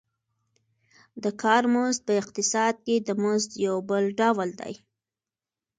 د کار مزد په اقتصاد کې د مزد یو بل ډول دی